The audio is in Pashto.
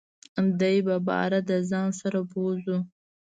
دی به باره دځان سره بوزو .